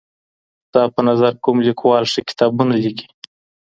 ستا په نظر کوم ليکوال ښه کتابونه ليکي؟